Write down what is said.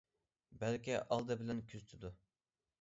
بەلكى ئالدى بىلەن كۆزىتىدۇ.